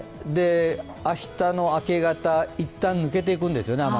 明日の明け方、一旦雨雲は抜けていくんですよね。